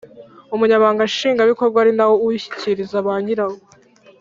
Umunyamabanga Nshingwabikorwa ari na we uwushyikiriza ba nyirawo